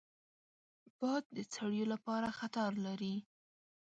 باد د څړیو لپاره خطر لري